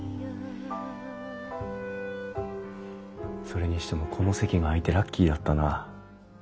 それにしてもこの席が空いてラッキーだったな。